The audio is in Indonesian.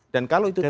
dan kalau itu tidak